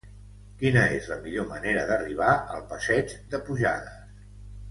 Quina és la millor manera d'arribar al passeig de Pujades?